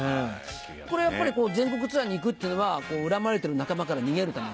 これやっぱり全国ツアーに行くっていうのは恨まれてる仲間から逃げるため？